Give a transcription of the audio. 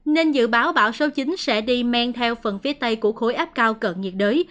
nên dự báo bão số chín sẽ đi men theo phần phía tây của khối áp cao cận nhiệt đới